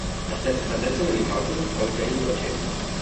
Nach dessen Versetzung in den Kaukasus folgte er ihm dorthin.